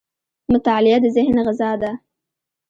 • مطالعه د ذهن غذا ده.